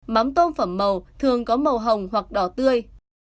mắm tôm phẩm màu thường có màu hồng hoặc đỏ tươi